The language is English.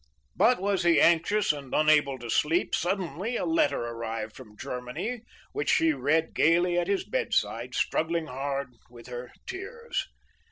But was he anxious and unable to sleep, suddenly a letter arrived from Germany which she read gayly at his bedside, struggling hard with her tears.